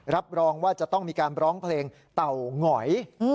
รับรองว่าจะต้องมีการร้องเพลงเต่างอย